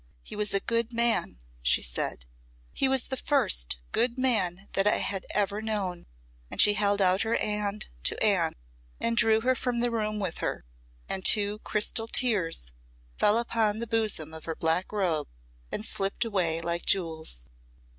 "He was a good man," she said; "he was the first good man that I had ever known." And she held out her hand to Anne and drew her from the room with her, and two crystal tears fell upon the bosom of her black robe and slipped away like jewels.